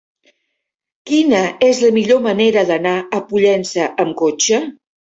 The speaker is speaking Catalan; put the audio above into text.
Quina és la millor manera d'anar a Pollença amb cotxe?